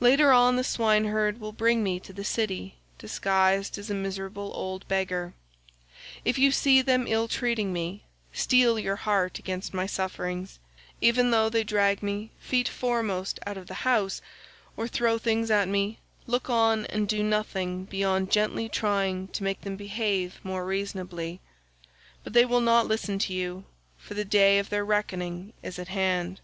Later on the swineherd will bring me to the city disguised as a miserable old beggar. If you see them ill treating me, steel your heart against my sufferings; even though they drag me feet foremost out of the house, or throw things at me, look on and do nothing beyond gently trying to make them behave more reasonably; but they will not listen to you, for the day of their reckoning is at hand.